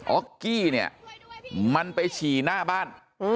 ออกกี้เนี่ยมันไปฉี่หน้าบ้าน